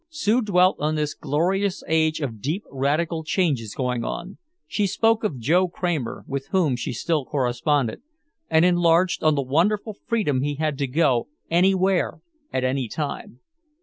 Sue dwelt on this glorious age of deep radical changes going on, she spoke of Joe Kramer, with whom she still corresponded, and enlarged on the wonderful freedom he had to go anywhere at any time.